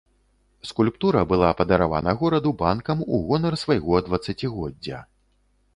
Скульптура была падаравана гораду банкам у гонар свайго дваццацігоддзя.